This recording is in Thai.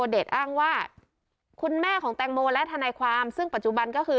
เดชอ้างว่าคุณแม่ของแตงโมและทนายความซึ่งปัจจุบันก็คือ